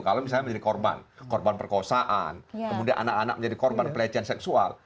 kalau misalnya menjadi korban korban perkosaan kemudian anak anak menjadi korban pelecehan seksual